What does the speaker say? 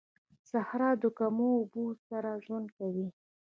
صحرا د کمو اوبو سره ژوند کوي